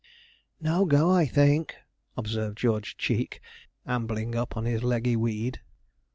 'No go, I think,' observed George Cheek, ambling up on his leggy weed.